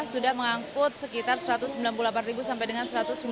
sudah mengangkut sekitar satu ratus sembilan puluh delapan sampai dengan satu ratus sembilan puluh